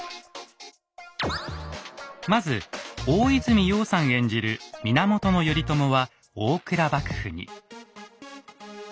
まず大泉洋さん演じる源頼朝は大倉幕府に。